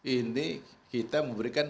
ini kita memberikan